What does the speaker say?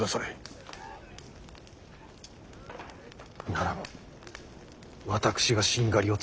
ならば私がしんがりを務めまする。